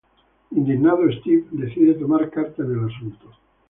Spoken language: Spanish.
Indignado, Stewie decide tomar cartas en el asunto.